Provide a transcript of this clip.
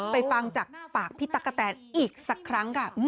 ฟังจากปากพี่ตั๊กกะแตนอีกสักครั้งค่ะ